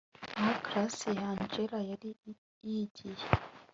aho class ya angella yari yigiye